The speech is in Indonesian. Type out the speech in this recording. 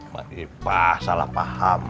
pak ipah salah paham